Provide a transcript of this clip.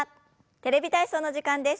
「テレビ体操」の時間です。